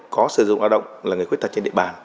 có sử dụng lao động là người khuyết tật trên địa bàn